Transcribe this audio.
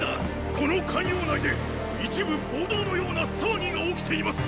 この咸陽内で一部暴動のような騒ぎが起きています！